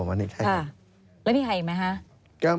แล้วมีใครอีกไหมคะ